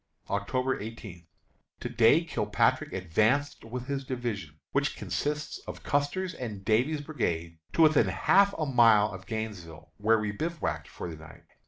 October 18. To day Kilpatrick advanced with his division, which consists of Custer's and Davies' brigades, to within a half mile of Gainesville, where we bivouacked for the night.